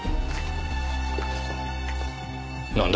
なんだ？